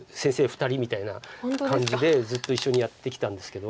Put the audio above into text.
２人みたいな感じでずっと一緒にやってきたんですけど。